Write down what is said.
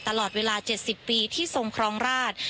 ตลอดเวลา๗๐ปีที่ทรงครองราช